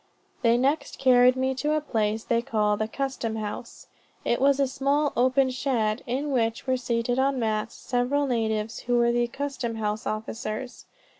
They next carried me to a place they call the custom house. It was a small open shed, in which were seated on mats, several natives, who were the custom house officers.